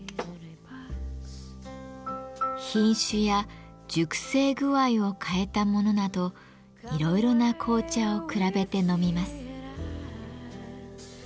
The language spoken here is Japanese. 品種や熟成具合を変えたものなどいろいろな紅茶を比べて飲みます。